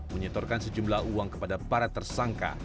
menyetorkan sejumlah uang kepada para tersangka